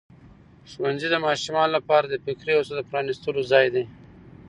ښوونځی د ماشومانو لپاره د فکري هڅو د پرانستلو ځای دی.